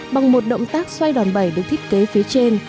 bằng một động tác xoay đòn bẩy được thiết kế phía trên